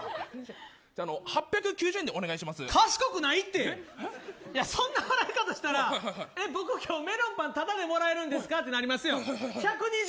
賢くないってそんな払い方したらメロンパンただでもらえるんですかってなりますよ。